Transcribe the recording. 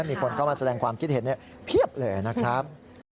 มีคนเข้ามาแสดงความคิดเห็นเพียบเลยนะครับ